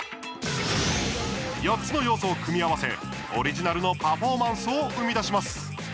４つの要素を組み合わせオリジナルのパフォーマンスを生み出します。